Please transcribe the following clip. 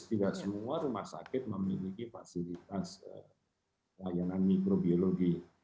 tidak semua rumah sakit memiliki fasilitas layanan mikrobiologi